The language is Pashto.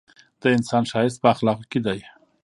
د انسان ښایست په اخلاقو کي دی!